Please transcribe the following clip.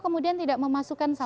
kemudian tidak memasukan sama sekali